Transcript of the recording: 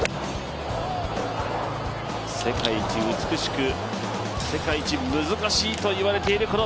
世界一美しく、世界一難しいと言われている